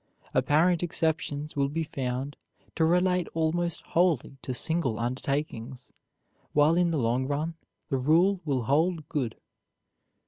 Apparent exceptions will be found to relate almost wholly to single undertakings, while in the long run the rule will hold good.